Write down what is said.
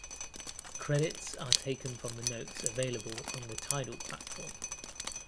Credits are taken from the notes available on the Tidal platform.